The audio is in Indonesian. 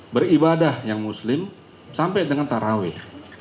beribadah yang muslim sampai dengan taraweh